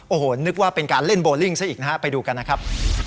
โอ้โหนึกว่าเป็นการเล่นโบลิ่งซะอีกนะฮะไปดูกันนะครับ